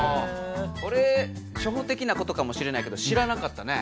これ初歩的なことかもしれないけど知らなかったね！